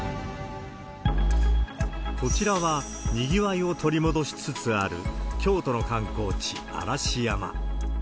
こちらは、にぎわいを取り戻しつつある京都の観光地、嵐山。